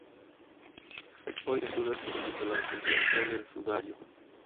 Hoy día, existen dudas en cuanto a la autenticidad del sudario.